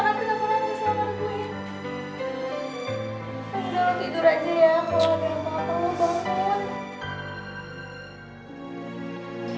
kalau ada apa apa lo bangun ya